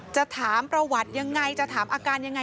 จะถามประวัติยังไงจะถามอาการยังไง